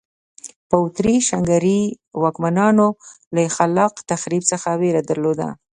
په اتریش هنګري واکمنانو له خلاق تخریب څخه وېره درلوده.